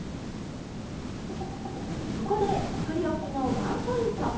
ここでつくりおきのワンポイント。